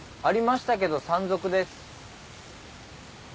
ありましたけど山賊です。